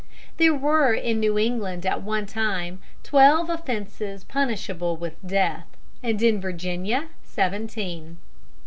There were in New England at one time twelve offences punishable with death, and in Virginia seventeen.